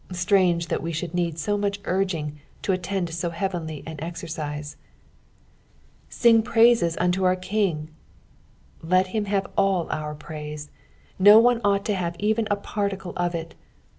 Strange that we should Deed so much urging to attend to so heavenly ao exercise. " Hing praiaet vntoour King." Let him have all our praise ; no one ought to have even a par ticle of it.